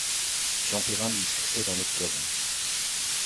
Jean Perrin lui succède en octobre.